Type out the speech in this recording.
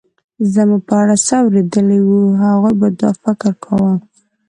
زما په اړه څه اورېدلي وي، هغوی به دا فکر کاوه.